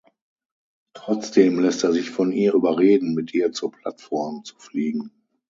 Trotzdem lässt er sich von ihr überreden, mit ihr zur Plattform zu fliegen.